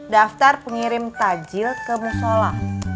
daftar pengirim tajil ke musola